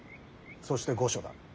そして御所だ。